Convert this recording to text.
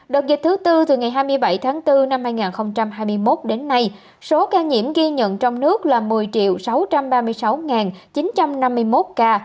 đợt dịch thứ tư từ ngày hai mươi bảy tháng bốn năm hai nghìn hai mươi một đến nay số ca nhiễm ghi nhận trong nước là một mươi sáu trăm ba mươi sáu chín trăm năm mươi một ca